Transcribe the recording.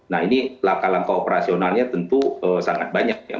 nah ini langkah langkah operasionalnya tentu sangat banyak ya